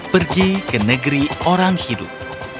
pergi ke negeri orang hidup